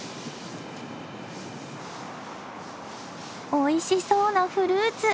おいしそうなフルーツ！